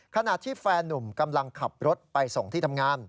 ขณะที่แฟนนุ่มกำลังขับรถไปส่งที่ทำงาน